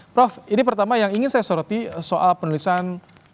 prof ini pertama yang ingin saya soroti soal penulisan